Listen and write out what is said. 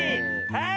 はい！